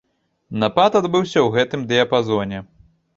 Напад адбыўся ў гэтым дыяпазоне.